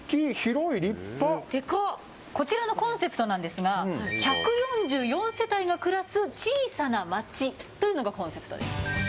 こちらのコンセプトなんですが１１４世帯が暮らす小さな街というのがコンセプトです。